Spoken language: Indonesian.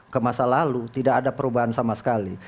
ke masa lalu tidak ada perubahan sama sekali